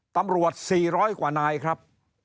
ตำรวจ๔๐๐กว่านายครับ